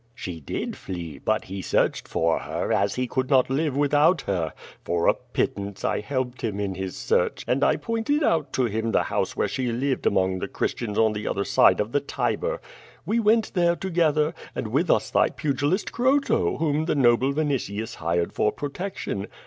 "She did flee, but he searched for her, as he could not live without her. For a pittance I helped him in his search, and I pointed out to him the house where she lived among the Christians on the other side of the Tiber. We went there together, and with us thy pugilist Croto, whom the noble Vinitius hired for protection.